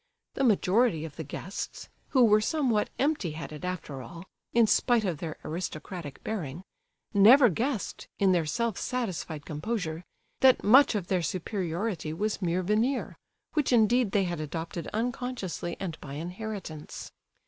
The majority of the guests—who were somewhat empty headed, after all, in spite of their aristocratic bearing—never guessed, in their self satisfied composure, that much of their superiority was mere veneer, which indeed they had adopted unconsciously and by inheritance.